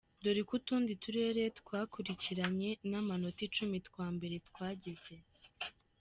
Dore uko utundi turere twakurikiranye n’amanota icumi twa mbere twagize.